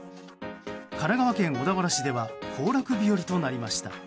神奈川県小田原市では行楽日和となりました。